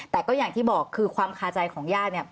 แต่ก็อย่างที่บอกคือความคาใจของญาติเนี่ย